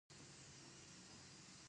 دوی تجارتونه او شرکتونه اداره کوي.